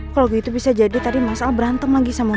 kalau gitu bisa jadi tadi mas al berantem lagi sama mas nino